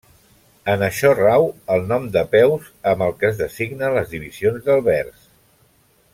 En això rau el nom de peus amb què es designen les divisions del vers.